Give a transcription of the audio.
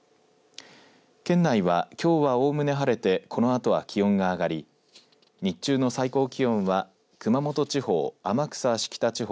県内はきょうはおおむね晴れてこのあとは気温が上がり日中の最高気温は熊本地方、天草・芦北地方